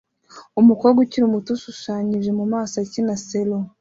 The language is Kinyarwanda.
Umukobwa ukiri muto ushushanyije mu maso akina selo